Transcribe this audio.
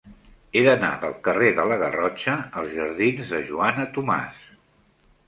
He d'anar del carrer de la Garrotxa als jardins de Joana Tomàs.